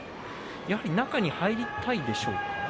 やはり中に入りたいでしょうか。